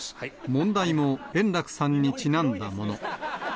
問題も円楽さんにちなんだもの。